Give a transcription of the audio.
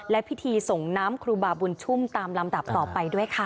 และพิธีส่งน้ำครูบาบุญชุ่มตามลำดับต่อไปด้วยค่ะ